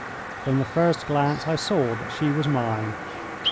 From the first glance I saw that she was mine.